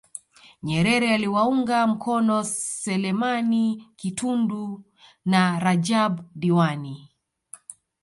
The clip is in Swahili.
Nyerere aliwaunga mkono Selemani Kitundu na Rajab Diwani